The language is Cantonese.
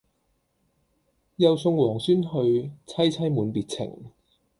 又送王孫去，萋萋滿別情。